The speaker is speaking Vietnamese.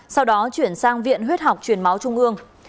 sau đó chuyển sang viện huyết học truyền máu trung ương